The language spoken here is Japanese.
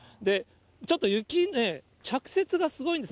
ちょっと雪ね、着雪がすごいんです。